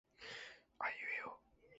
ふでばこ